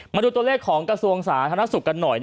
มาดูตัวเลขของกระทรวงสาธารณสุขกันหน่อย